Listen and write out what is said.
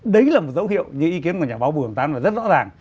đấy là một dấu hiệu như ý kiến của nhà báo bưu hằng tán và rất rõ ràng